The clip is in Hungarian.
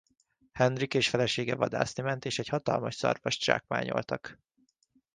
Henrik és felesége vadászni ment és egy hatalmas szarvas zsákmányoltak.